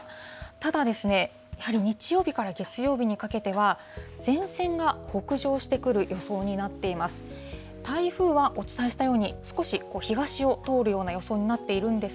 ただ、やはり日曜日から月曜日にかけては、前線が北上してくる予想になっています。